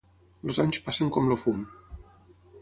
Els anys passen com el fum.